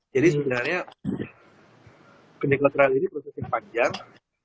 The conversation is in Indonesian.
jadi sebenarnya klinik latar ini proses yang panjang